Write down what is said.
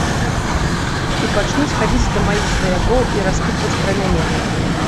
І пачнуць хадзіць да маіх сваякоў і распытваць пра мяне.